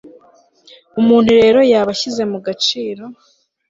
umuntu rero yaba ashyize mu gaciro